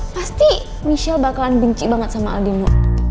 pasti michelle bakalan benci banget sama aldimu